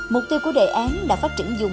mục tiêu của đề án là phát triển dùng